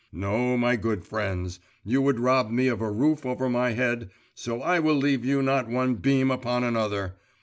No, my good friends; you would rob me of a roof over my head, so I will leave you not one beam upon another!